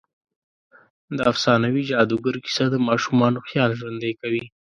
د افسانوي جادوګر کیسه د ماشومانو خيال ژوندۍ کوي.